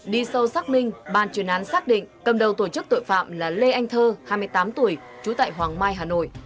đi sâu xác minh ban chuyên án xác định cầm đầu tổ chức tội phạm là lê anh thơ hai mươi tám tuổi trú tại hoàng mai hà nội